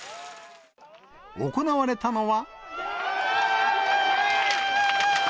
行われたのは。